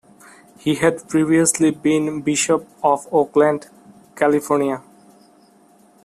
He had previously been Bishop of Oakland, California.